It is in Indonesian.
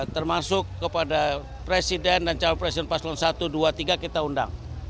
termasuk kepada presiden dan calon presiden paslon satu dua tiga kita undang